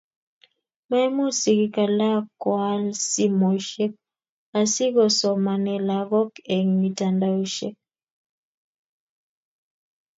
maimuch sigik alak koal simoisiek, asikusomane lagok eng' mitandaosiek